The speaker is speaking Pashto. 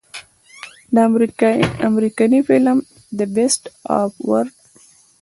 د امريکني فلم The Beast of War